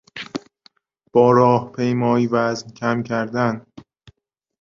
با راهپیمایی وزن کم کردن